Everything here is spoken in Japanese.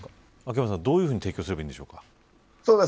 秋山さん、どういうふうに提供すればいいでしょうか。